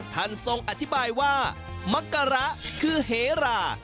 ท่านทรงอธิบายว่ามักกะระคือเหรา